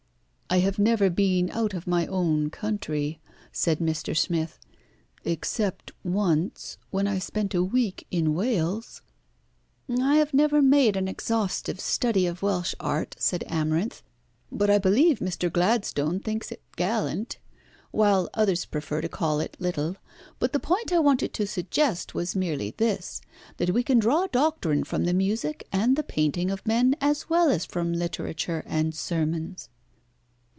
"I have never been out of my own country," said Mr. Smith, "except once, when I spent a week in Wales." "I have never made an exhaustive study of Welsh art," said Amarinth, "but I believe Mr. Gladstone thinks it gallant, while others prefer to call it little. But the point I wanted to suggest was merely this, that we can draw doctrine from the music and the painting of men, as well as from literature and sermons."